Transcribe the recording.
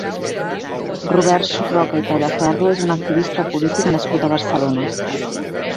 Robert Surroca i Tallaferro és un activista polític nascut a Barcelona.